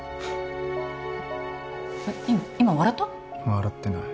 笑ってない。